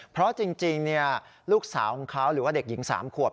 เพราะจริงลูกสาวของเขาหรือว่าเด็กหญิง๓ขวบ